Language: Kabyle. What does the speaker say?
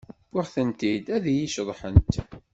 Wwiɣ-tent-id ad ay-iceḍḥent.